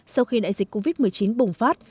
sau khi đại dịch covid một mươi chín bùng phát